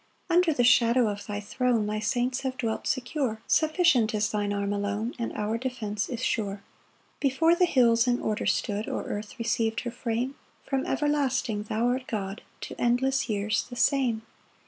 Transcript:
2 Under the shadow of thy throne Thy saints have dwelt secure; Sufficient is thine arm alone, And our defence is sure. 3 Before the hills in order stood, Or earth receiv'd her frame, From everlasting thou art God, To endless years the same.